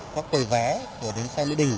các quầy vẽ